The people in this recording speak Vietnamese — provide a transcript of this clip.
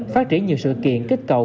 phát triển nhiều sự kiện kích cầu